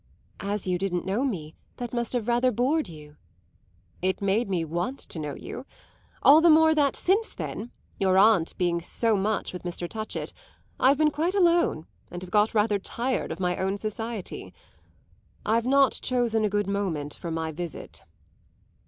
"As you didn't know me that must rather have bored you." "It made me want to know you. All the more that since then your aunt being so much with Mr. Touchett I've been quite alone and have got rather tired of my own society. I've not chosen a good moment for my visit."